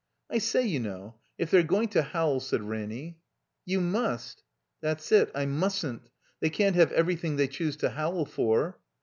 "I say, you know, if they're going to howl," said Ranny. ''Yon must—'* "That's it, I mustn't. They can't have every thing they choose to howl for."